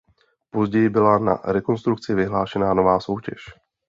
Později byla na rekonstrukci vyhlášena nová soutěž.